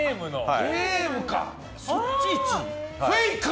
ゲームか。